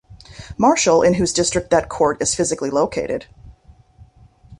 Marshal in whose district that court is physically located.